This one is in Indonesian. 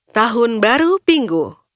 tahun baru pingu